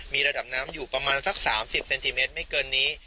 มีระดับน้ำอยู่ประมาณสัก๓๐เซนติเมตรไม่เกินนี้